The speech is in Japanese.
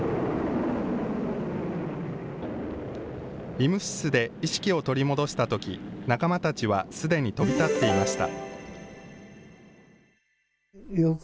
医務室で意識を取り戻したとき、仲間たちはすでに飛び立っていました。